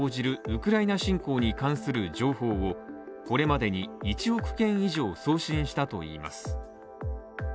ウクライナ侵攻に関する情報を、これまでに１億件以上送信したといいます。